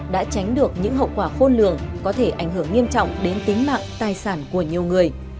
đã tránh được những hậu quả khôn lường có thể ảnh hưởng nghiêm trọng đến tính mạng tài sản của nhiều người